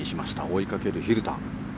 追いかける蛭田。